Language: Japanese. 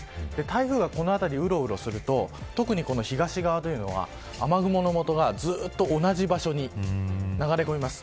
台風がこの辺りうろうろすると特に東側というのは雨雲のもとが、ずっと同じ場所に流れ込みます。